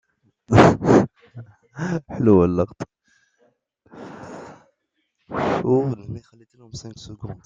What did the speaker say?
Après la première Guerre Mondiale, il a vécu sa retraite en France.